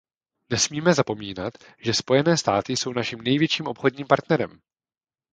Nesmíme zapomínat, že Spojené státy jsou naším největším obchodním partnerem.